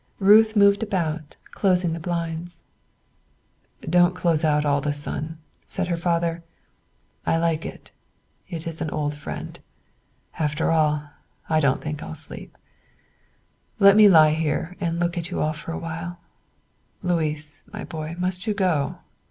Ruth moved about, closing the blinds. "Don't close out all the sun," said her father; "I like it, it is an old friend. After all, I don't think I'll sleep; let me lie here and look at you all awhile. Louis, my boy, must you go?"